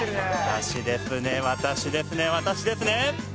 私ですね、私ですね、私ですね。